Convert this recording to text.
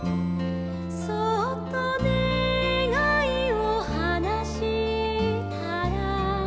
「そっとねがいをはなしたら」